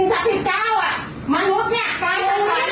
ก็ทำดีละ